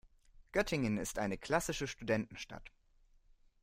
Göttingen ist eine klassische Studentenstadt.